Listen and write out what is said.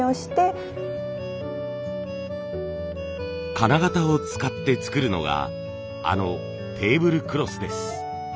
金型を使って作るのがあのテーブルクロスです。